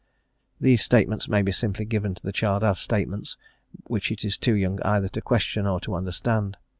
These statements may be simply given to the child as statements which it is too young either to question or to understand.